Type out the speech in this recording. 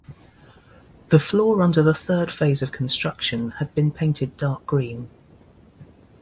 The floor under the third phase of construction had been painted dark green.